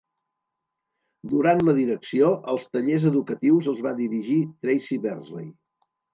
Durant la direcció, els tallers educatius els va dirigir Tracy Bersley.